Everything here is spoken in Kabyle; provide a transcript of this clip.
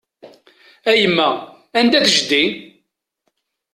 A yemma, anda-t jeddi?